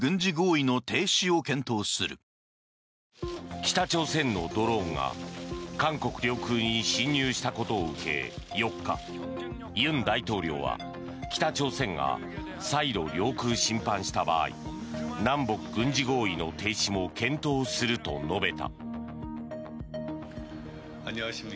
北朝鮮のドローンが韓国領空に侵入したことを受け４日尹大統領は北朝鮮が再度領空侵犯した場合南北軍事合意の停止も検討すると述べた。